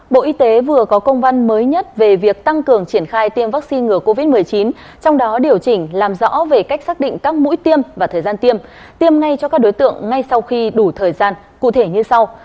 bộ y tế vừa có công văn mới nhất về việc tăng cường triển khai tiêm vaccine ngừa covid một mươi chín trong đó điều chỉnh làm rõ về cách xác định các mũi tiêm và thời gian tiêm tiêm ngay cho các đối tượng ngay sau khi đủ thời gian cụ thể như sau